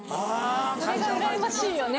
それがうらやましいよね